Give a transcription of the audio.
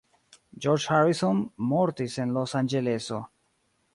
George Harrison mortis en Losanĝeleso.